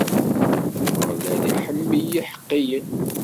Ameɣlal iḥemmel iḥeqqiyen.